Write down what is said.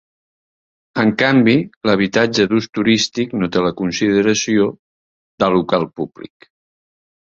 En canvi, l'habitatge d'ús turístic no té la consideració de local públic.